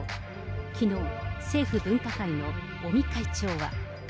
きのう、政府分科会の尾身会長は。